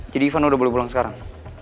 jadi ivan udah boleh pulang sekarang